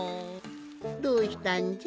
どうしたんじゃ？